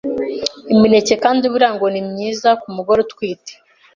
Imineke kandi buriya ngo ni myiza ku mugore utwite,